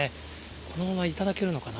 このまま頂けるのかな。